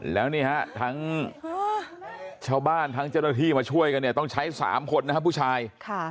แล้วนี่ฮะทั้งชาวบ้านทั้งเจ้าหน้าที่มาช่วยกันเนี่ยต้องใช้๓คนนะครับผู้ชาย